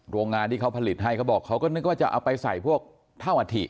โรงงานที่เขาผลิตให้เขาบอกเขาก็นึกว่าจะเอาไปใส่พวกเท่าอัฐิ